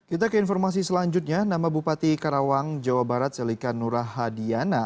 kita ke informasi selanjutnya nama bupati karawang jawa barat selika nurahadiana